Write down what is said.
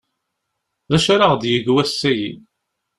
D acu ara ɣ-d-yeg wass-agi?